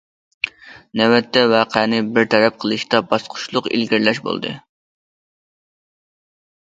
نۆۋەتتە، ۋەقەنى بىر تەرەپ قىلىشتا باسقۇچلۇق ئىلگىرىلەش بولدى.